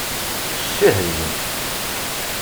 Ccah deg-m!